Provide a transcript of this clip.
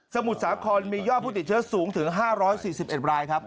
มุทรสาครมียอดผู้ติดเชื้อสูงถึง๕๔๑รายครับ